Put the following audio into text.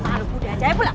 aduh budi aja pulang